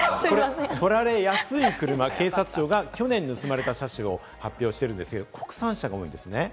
取られやすい車、警察庁が去年、盗まれた車種を発表しているんですが、国産車が多いんですね。